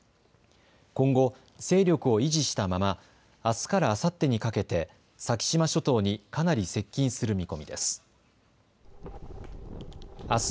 今後、勢力を維持したままあすからあさってにかけて先島諸島にかなり接近する見込みです。